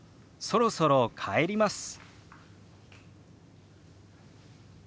「そろそろ帰ります」。